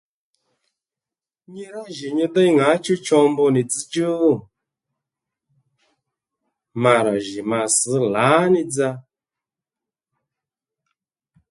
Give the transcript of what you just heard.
Nyi rá jì nyi déy ŋǎchú cho mbu nì dzzdjú? Ma rà jì ma sš lǎní dza